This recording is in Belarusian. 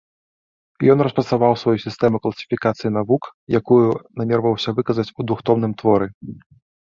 Ён распрацаваў сваю сістэму класіфікацыі навук, якую намерваўся выказаць у двухтомным творы.